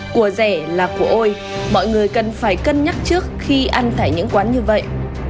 của rẻ là của ôi mọi người cần phải cân nhắc trước khi ăn tại những quán như vậy